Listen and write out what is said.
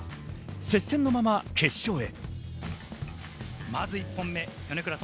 接戦のまま決勝へ。